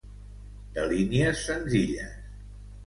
De línies senzilles.